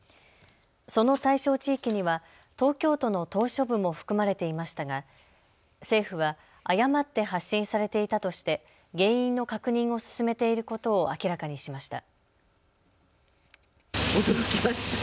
その対象地域には東京都の島しょ部も含まれていましたが政府は誤って発信されていたとして原因の確認を進めていることを明らかにしました。